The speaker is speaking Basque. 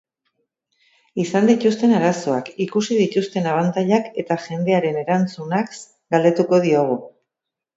Izan dituzten arazoak, ikusi dituzten abantailak eta jendearen erantzunaz galdetuko diogu.